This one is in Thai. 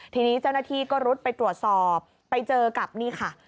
ทีนี้เจ้าหน้าที่ก็รุดไปตรวจสอบไปเจอกับนี่ค่ะ